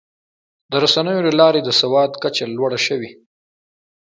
د رسنیو له لارې د سواد کچه لوړه شوې.